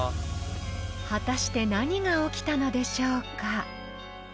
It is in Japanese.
［果たして何が起きたのでしょうか］